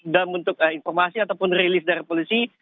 dalam bentuk informasi ataupun rilis dari polisi